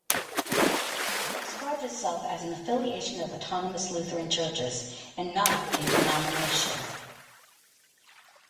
It describes itself as an affiliation of autonomous Lutheran churches and not a denomination.